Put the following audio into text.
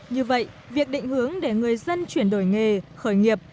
như vậy việc định hướng để người dân chuyển đổi nghề khởi nghiệp